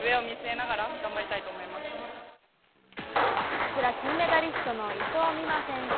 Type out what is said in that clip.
こちら、金メダリストの伊藤美誠選手。